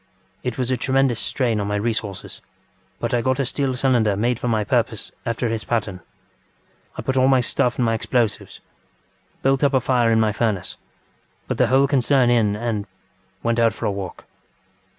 It was a tremendous strain on my resources, but I got a steel cylinder made for my purpose after his pattern. I put in all my stuff and my explosives, built up a fire in my furnace, put the whole concern in, andŌĆöwent out for a walk.